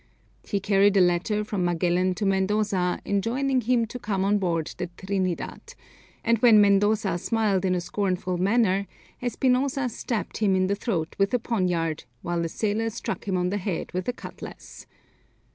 He carried a letter from Magellan to Mendoza enjoining him to come on board the Trinidad, and when Mendoza smiled in a scornful manner, Espinosa stabbed him in the throat with a poniard, while a sailor struck him on the head with a cutlass.